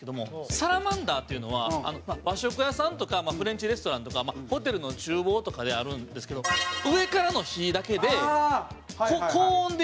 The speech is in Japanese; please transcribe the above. サラマンダーっていうのは和食屋さんとかフレンチレストランとかホテルの厨房とかであるんですけど上からの火だけで高温で焼くんで。